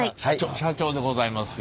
社長でございますよ。